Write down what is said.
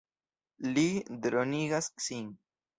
Li dronigas sin.